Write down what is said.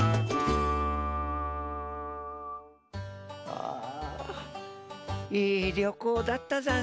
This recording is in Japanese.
ああいいりょこうだったざんす。